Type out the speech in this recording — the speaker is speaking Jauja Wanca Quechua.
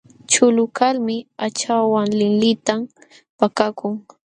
Chulu kalmi aqchanwan linlinta pakakun.